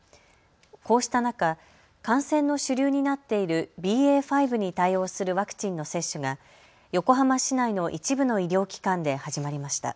こうした中、感染の主流になっているＢＡ．５に対応するワクチンの接種が横浜市内の一部の医療機関で始まりました。